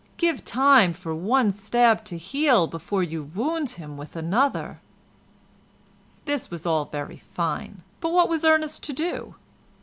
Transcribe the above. Give time for one stab to heal before you wound him with another." This was all very fine, but what was Ernest to do?